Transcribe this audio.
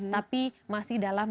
tapi masih dalam